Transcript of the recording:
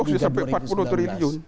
bisa tiga puluh sampai empat puluh triliun